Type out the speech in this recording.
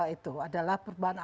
itu adalah perubahan asam